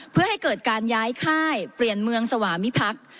เพื่อให้เกิดการย้ายค่ายเปลี่ยนเมืองสวามิพักษ์